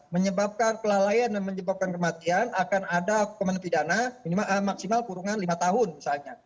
menyebabkan kelalaian dan menyebabkan kematian akan ada hukuman pidana maksimal kurungan lima tahun misalnya